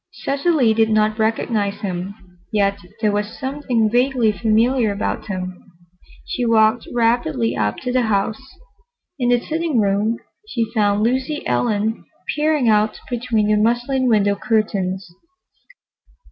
Cecily did not recognize him, yet there was something vaguely familiar about him. She walked rapidly up to the house. In the sitting room she found Lucy Ellen peering out between the muslin window curtains.